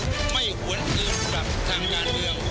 ไม่ควรเกิดกลับทางยาดเดียว